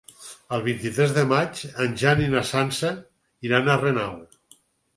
El vint-i-tres de maig en Jan i na Sança iran a Renau.